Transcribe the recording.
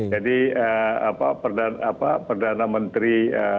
jadi perdana menteri